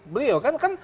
beliau kan kan